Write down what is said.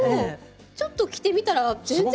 ちょっと着てみたら全然違うんだ。